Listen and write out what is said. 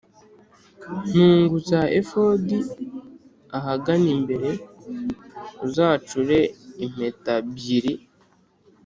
Ntugu za efodi ahagana imbere uzacure impeta byiri